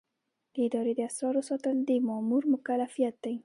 د ادارې د اسرارو ساتل د مامور مکلفیت دی.